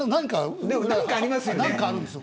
何かありますよね。